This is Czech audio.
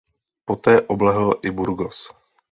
Poté oblehl i Burgos.